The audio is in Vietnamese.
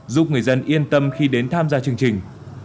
giúp người dân yên tâm khi đến tham gia chương trình